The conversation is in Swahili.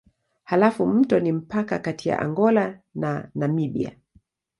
Halafu mto ni mpaka kati ya Angola na Namibia.